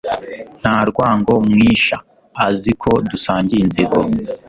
Nta rwango mwisha Azi ko dusangiye inzigo.